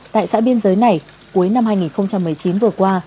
tại xã biên giới này cuối năm hai nghìn một mươi chín vừa qua